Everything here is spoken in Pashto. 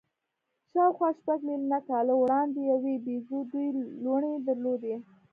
شاوخوا شپږ میلیونه کاله وړاندې یوې بیزو دوې لوڼې درلودې.